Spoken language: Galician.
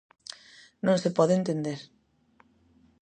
Non se pode entender.